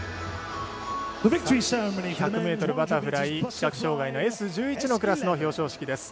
１００ｍバタフライ視覚障がいのＳ１１のクラスの表彰式です。